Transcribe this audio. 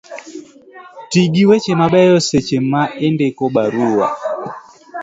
ti gi weche mabeyo seche ma indiko barua